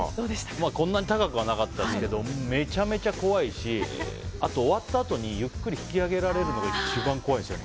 こんなに高くはなかったですけどめちゃめちゃ怖いしあと、終わったあとにゆっくり引き上げられるのが一番怖いんですよね。